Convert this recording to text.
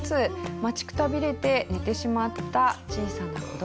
待ちくたびれて寝てしまった小さな子どもさんがいます。